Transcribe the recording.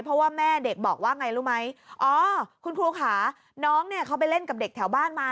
เพราะว่าแม่เด็กบอกว่าไงรู้ไหมอ๋อคุณครูค่ะน้องเนี่ยเขาไปเล่นกับเด็กแถวบ้านมา